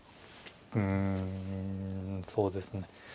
うんそうですね